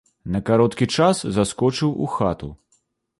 На кароткі час заскочыў у хату.